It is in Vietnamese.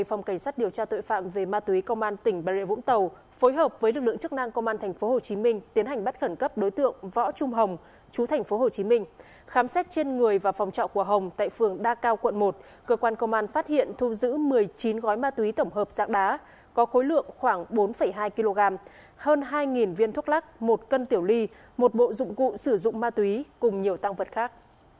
phòng cảnh sát điều tra tội phạm về ma túy công an tỉnh bà rịa vũng tàu vừa bắt giữ đối tượng có hành vi mua bán trái phép chất ma túy thu giữ khoảng bốn hai kg ma túy đá hơn hai viên thuốc lắc một cân tiểu ly một bộ dụng cụ sử dụng ma túy cùng nhiều tăng vật khác